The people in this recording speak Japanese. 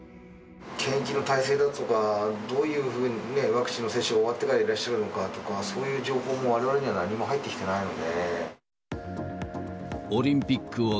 検疫の体制だとか、どういうふうにね、ワクチンの接種終わってからいらっしゃるのかとか、そういう情報も、われわれには何も入ってきてないので。